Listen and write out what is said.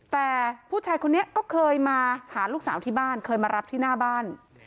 แต่ผู้ชายคนนี้ก็เคยมาหาลูกสาวที่บ้านเคยมารับที่หน้าบ้าน